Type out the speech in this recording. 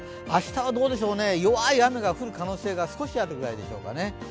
明日はどうでしょう、弱い雨が降る可能性がすこしあるくらいでしょうかね。